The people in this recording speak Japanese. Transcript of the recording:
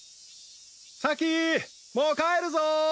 咲もう帰るぞー